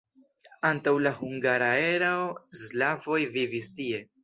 Antaŭ la hungara erao slavoj vivis tie.